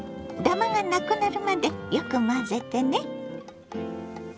ダマがなくなるまでよく混ぜてね。